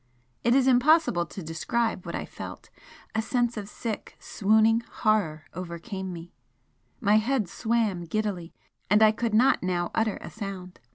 It is impossible to describe what I felt, a sense of sick, swooning horror overcame me, my head swam giddily, and I could not now utter a sound.